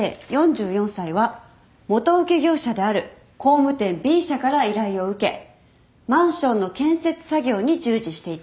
４４歳は元請け業者である工務店Ｂ社から依頼を受けマンションの建設作業に従事していた。